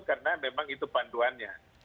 karena memang itu panduannya